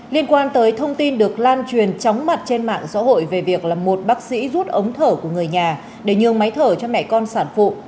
liên quan tới thông tin được lan truyền chóng mặt trên mạng xã hội về việc là một bác sĩ rút ống thở của người nhà để nhường máy thở cho mẹ con sản phụ